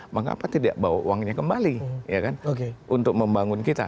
mengapa tidak bawa uangnya kembali untuk membangun kita